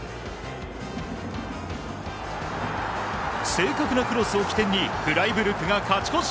正確なクロスを起点に、フライブルクが勝ち越し。